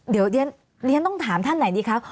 เดี๋ยวเรียนต้องถามท่านไหนดีคะ